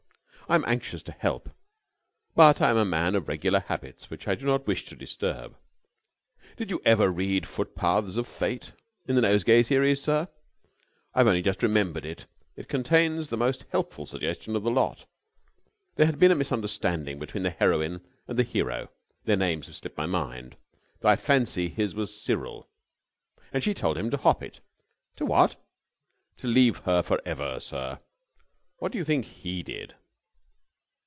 I am anxious to help, but I am a man of regular habits, which I do not wish to disturb. Did you ever read 'Footpaths of Fate,' in the Nosegay series, sir? I've only just remembered it, and it contains the most helpful suggestion of the lot. There had been a misunderstanding between the heroine and the hero their names have slipped my mind, though I fancy his was Cyril and she had told him to hop it...." "To what?" "To leave her for ever, sir. And what do you think he did?"